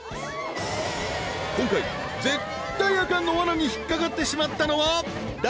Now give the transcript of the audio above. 今回絶対アカンの罠に引っかかってしまったのは誰？